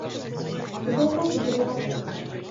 静岡市駿河区